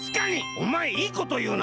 おまえいいこというな。